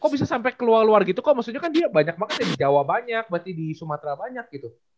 kok bisa sampai keluar luar gitu kok maksudnya kan dia banyak banget ya di jawa banyak berarti di sumatra banyak gitu